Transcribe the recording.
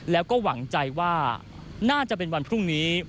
แล้วก็หวังใจว่าน่าจะเป็นวันพรุ่งนี้